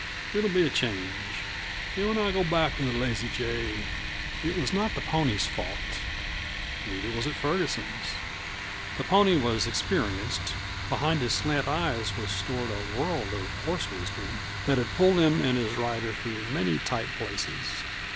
It'll be a change. An' when I go back to the Lazy J " It was not the pony's fault. Neither was it Ferguson's. The pony was experienced; behind his slant eyes was stored a world of horse wisdom that had pulled him and his rider through many tight places.